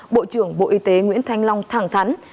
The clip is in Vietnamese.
bộ trưởng bộ y tế nguyễn thanh long thẳng thắn